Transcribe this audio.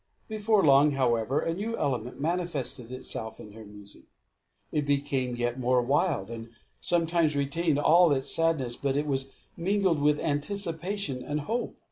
Before long, however, a new element manifested itself in her music. It became yet more wild, and sometimes retained all its sadness, but it was mingled with anticipation and hope.